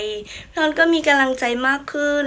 พี่โอลีฟก็มีกำลังใจมากขึ้น